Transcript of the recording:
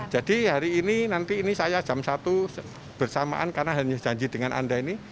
jadi hari ini nanti ini saya jam satu bersamaan karena hanya janji dengan anda ini